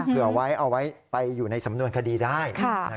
เผื่อไว้เอาไว้ไปอยู่ในสำนวนคดีได้